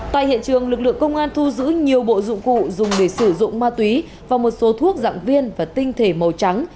tại hiện trường lực lượng công an thu giữ nhiều bộ dụng cụ dùng để sử dụng ma túy và một số thuốc dạng viên và tinh thể màu trắng